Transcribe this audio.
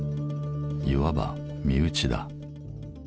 いわば身内だ。